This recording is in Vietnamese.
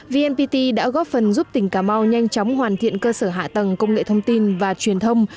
vnpt đã góp phần giúp tỉnh cà mau nhanh chóng hoàn thiện cơ sở hạ tầng công nghệ thông tin và truyền thông